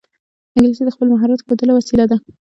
انګلیسي د خپل مهارت ښودلو وسیله ده